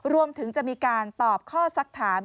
รวมถึงจะมีการตอบข้อสักถาม